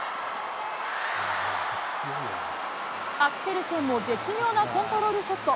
アクセルセンも絶妙なコントロールショット。